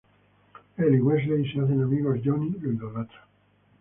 Él y Wesley se hacen amigos, Johnny lo idolatra.